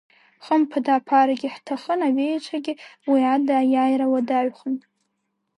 Хымԥада аԥарагьы ҳҭахын, абеиацәагьы, уи ада аиааира уадаҩхон.